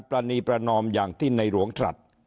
รณีประนอมอย่างที่ในหลวงตรัส